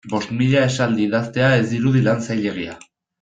Bost mila esaldi idaztea ez dirudi lan zailegia.